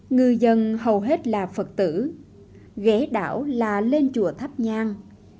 người dân hầu hết là phật tử ghé đảo là lên chùa thắp nhang